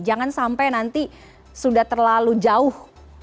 jangan sampai nanti sudah terlalu jauh